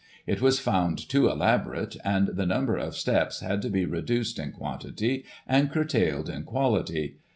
It was found too elaborate, and the number of steps had to be reduced in quantity, and curtailed in quality.